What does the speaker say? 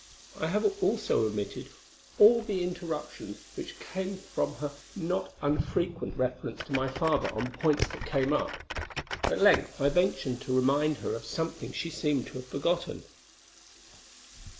I have also omitted all the interruptions which came from her not unfrequent reference to my father on points that came up. At length I ventured to remind her of something she seemed to have forgotten.